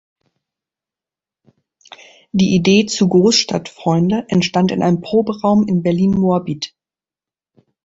Die Idee zu Großstadt Freunde entstand in einem Proberaum in Berlin-Moabit.